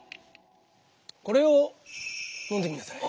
これをのんでみなさい。